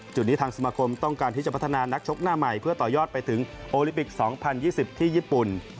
จุดนี้ทางสมาคมต้องการที่จะพัฒนานักชกหน้าใหม่เพื่อต่อยอดไปถึงโอลิปิก๒๐๒๐ที่ญี่ปุ่น